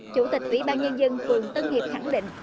chủ tịch ủy ban nhân dân phường tân hiệp khẳng định